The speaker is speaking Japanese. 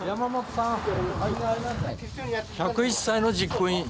１０１歳の実行委員。